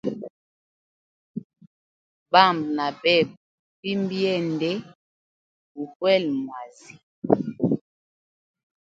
Bamba na bebe ufimba yende gukwele mwazi.